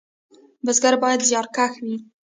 بزګر باید زیارکښ وي